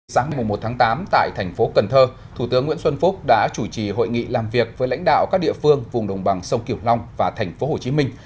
sáng mùa một tháng tám tại thành phố cần thơ thủ tướng nguyễn xuân phúc đã chủ trì hội nghị làm việc với lãnh đạo các địa phương vùng đồng bằng sông kiểu long và thành phố hồ chí minh